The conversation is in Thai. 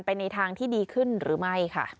ในทางที่ดีขึ้นหรือไม่ค่ะ